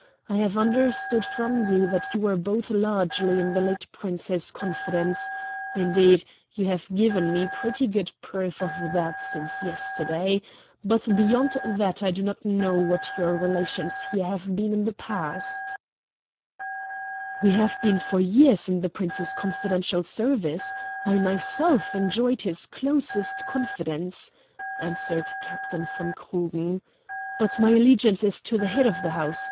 I have understood from you that you were both largely in the late Prince's confidence indeed, you have given me pretty good proof of that since yesterday. But beyond that I do not know what your relations here have been in the past." "We have been for years in the Prince's confidential service; I myself enjoyed his closest confidence," answered Captain von Krugen. "But my allegiance is to the head of the house.